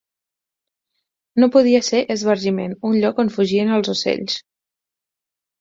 No podia ser esbargiment, un lloc on fugien els ocells